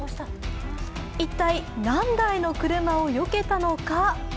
一体、何台の車をよけたのか。